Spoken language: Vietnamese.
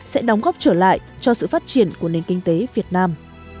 sẽ đóng góp trở lại cho sự phát triển của nền kinh tế việt nam